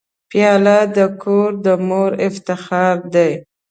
پیاله د کور د مور افتخار دی.